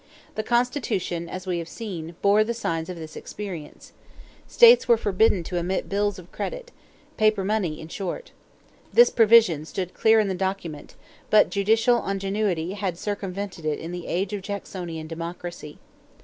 The Constitution, as we have seen, bore the signs of this experience. States were forbidden to emit bills of credit: paper money, in short. This provision stood clear in the document; but judicial ingenuity had circumvented it in the age of Jacksonian Democracy.